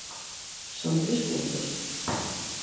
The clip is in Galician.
¿Son tres puntos?